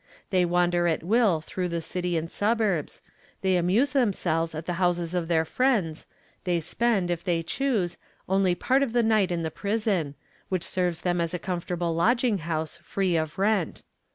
They wander at will through the city and suburbs, they amuse themselves at the houses of their friends, they spend, if they choose, only part of the night in the prison, which serves them as a comfortable lodging house, free of rent.